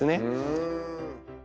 うん。